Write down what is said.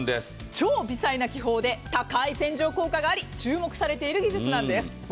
超微細な気泡で高い洗浄効果があり注目されている素材なんです。